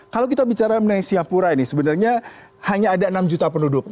kalau kita bicara mengenai singapura ini sebenarnya hanya ada enam juta penduduk